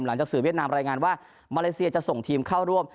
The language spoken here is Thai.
สื่อเวียดนามรายงานว่ามาเลเซียจะส่งทีมเข้าร่วม